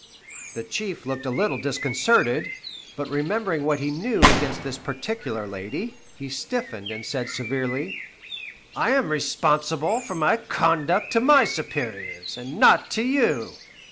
The Chief looked a little disconcerted, but remembering what he knew against this particular lady, he stiffened and said severely, "I am responsible for my conduct to my superiors, and not to you.